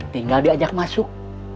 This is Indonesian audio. tinggal diajak masuk